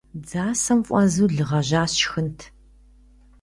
Дзасэм фӏэзу лы гъэжьа сшхынт!